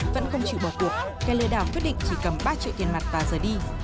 vẫn không chịu bỏ cuộc gái lừa đảo quyết định chỉ cầm ba triệu tiền mặt và giờ đi